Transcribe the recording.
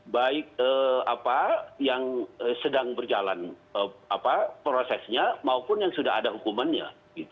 baik apa yang sedang berjalan prosesnya maupun yang sudah ada hukumannya